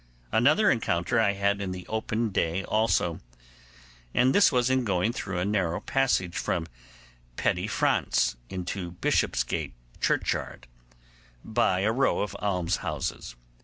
Another encounter I had in the open day also; and this was in going through a narrow passage from Petty France into Bishopsgate Churchyard, by a row of alms houses.